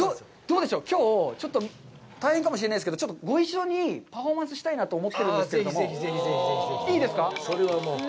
どうでしょう、きょう、ちょっと大変かもしれないですけど、ちょっとご一緒にパフォーマンスしたいなと思っているんですけれども。